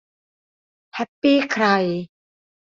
แฮปปี้ใคร